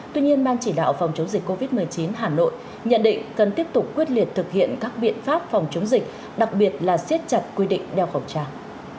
tuy nhiên ban chỉ đạo phòng chống dịch covid một mươi chín hà nội nhận định cần tiếp tục quyết liệt thực hiện các biện pháp phòng chống dịch đặc biệt là siết chặt quy định đeo khẩu trang